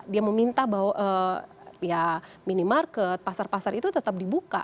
dia meminta bahwa ya minimarket pasar pasar itu tetap dibuka